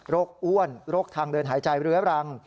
อ้วนโรคทางเดินหายใจเรื้อรัง